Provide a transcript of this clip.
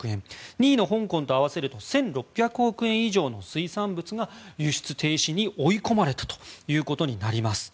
２位の香港と合わせると１６００億円以上の水産物が輸出停止に追い込まれたということになります。